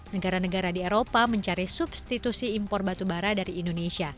negara negara di eropa mencari substitusi impor batubara dari indonesia